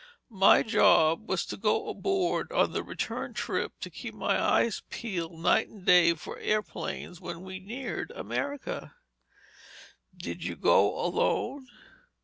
My job was to go abroad and on the return trip, to keep my eyes peeled night and day for airplanes when we neared America." "Did you go alone?"